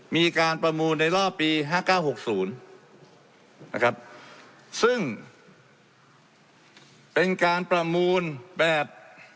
มีการประมูลในรอบปี๕๙๖๐นะครับซึ่งเป็นการประมูลแบบ